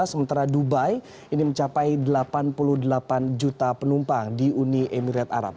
sementara dubai ini mencapai delapan puluh delapan juta penumpang di uni emirat arab